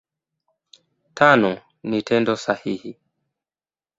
Tano ni Tendo sahihi.